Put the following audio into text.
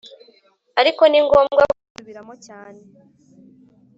ariko ni ngombwa kubisubiramo cyane .